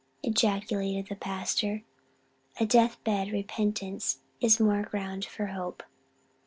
ejaculated the pastor. "A death bed repentance is poor ground for hope.